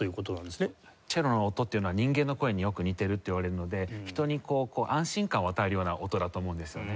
チェロの音っていうのは人間の声によく似てるっていわれるので人に安心感を与えるような音だと思うんですよね。